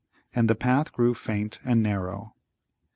And the path grew faint and narrow.